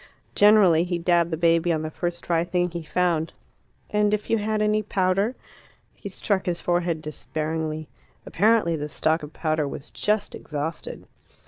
Generally he dabbed the baby on the first dry thing he found. "And if you had any powder." He struck his forehead despairingly. Apparently the stock of powder was just exhausted.